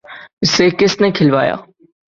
‘ اسے کس نے کھلوایا؟